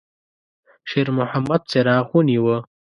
شېرمحمد څراغ ونیوه.